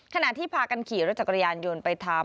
ขณะที่พากันขี่รถจักรยานยนต์ไปทำ